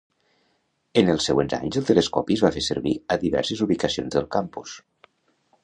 En els següents anys el telescopi es va fer servi a diverses ubicacions del campus.